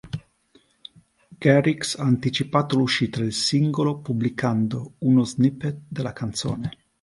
Garrix ha anticipato l'uscita del singolo pubblicando uno snippet della canzone.